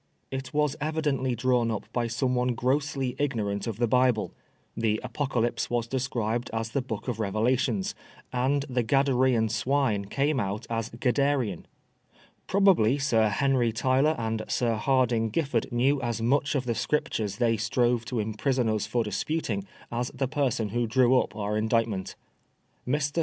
' It was evidently drawn up by someone grossly ignorant of the Bible. The Apocalypse was described as the " Book of Revelations," and the Gadarean swine came out as Gadderean. Probably Sir Henry Tyler and Sir Hardinge Giffard knew as much of the Scriptures they strove to imprison us for disputing as the person who drew up our Indictment. Mr.